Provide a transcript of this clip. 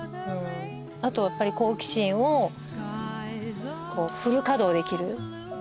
あとやっぱり好奇心をこうフル稼働できる。